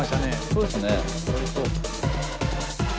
そうですね